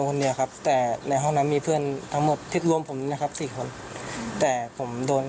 อ๋อคนอื่นก็เลยไม่ได้โดน